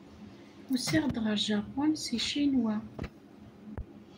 Usiɣ-d ɣer Japun seg Ccinwa.